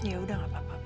ya udah enggak apa apa